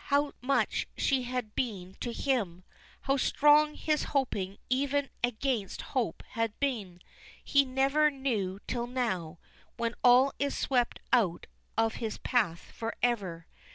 How much she had been to him, how strong his hoping even against hope had been, he never knew till now, when all is swept out of his path forever.